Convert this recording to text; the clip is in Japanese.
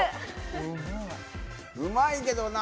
うまいけどな。